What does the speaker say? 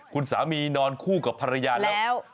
คุณสามีนอนคู่กับภรรยาแล้ว